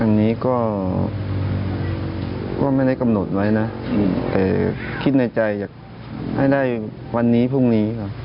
อันนี้ก็ไม่ได้กำหนดไว้นะแต่คิดในใจอยากให้ได้วันนี้พรุ่งนี้ครับ